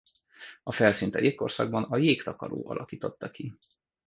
A felszínt a jégkorszakban a jégtakaró alakította ki.